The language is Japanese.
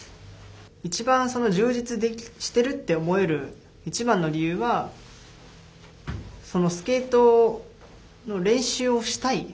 一番充実してるって思える一番の理由はスケートの練習をしたい。